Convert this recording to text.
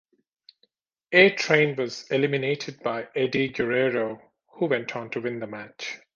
A-Train was eliminated by Eddie Guerrero, who went on to win the match.